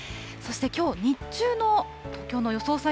そして、きょう、日中の東京の予想